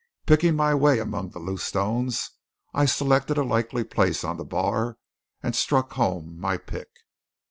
Picking my way among the loose stones I selected a likely place on the bar and struck home my pick.